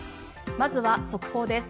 まずは速報です。